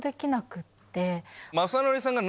雅紀さんが。